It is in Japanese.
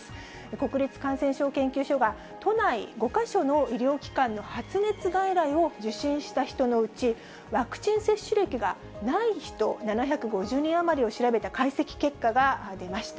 国立感染症研究所が、都内５か所の医療機関の発熱外来を受診した人のうち、ワクチン接種歴がない人７５０人余りを調べた解析結果が出ました。